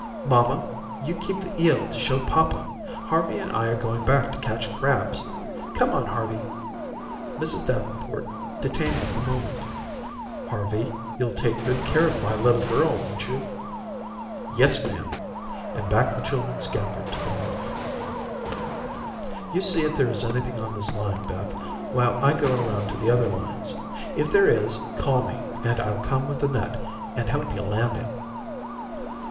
"Mamma, you keep the eel to show papa. Harvey and I are going back to catch crabs. Come on, Harvey." Mrs. Davenport detained them a moment. "Harvey, you'll take good care of my little girl, won't you?" "Yes, ma'am," and back the children scampered to the wharf. "You see if there is anything on this line, Beth, while I go around to the other lines. If there is, call me, and I'll come with the net, and help you land him."